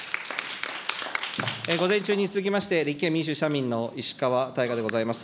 午前中に続きまして、立憲民主・社民の石川大我でございます。